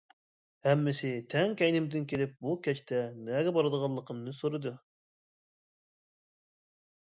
ھەممىسى تەڭ كەينىمدىن كېلىپ بۇ كەچتە نەگە بارىدىغانلىقىمنى سورىدى.